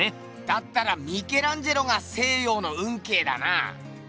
だったらミケランジェロが「西洋の運慶」だな。